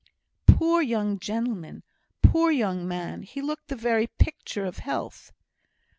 "Poor young gentleman! poor young man! He looked the very picture of health!"